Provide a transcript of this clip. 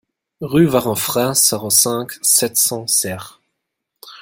Rue Varanfrain, zéro cinq, sept cents Serres